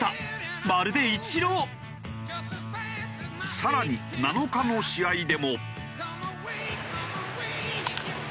更に７日の試合でも。